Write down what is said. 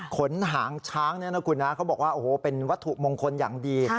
ขนหางช้างเนี่ยนะคุณนะเขาบอกว่าโอ้โหเป็นวัตถุมงคลอย่างดี